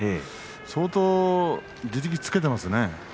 相当地力はつけていますね。